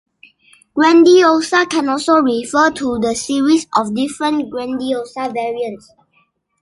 Grandiosa can also refer to the series of different Grandiosa variants.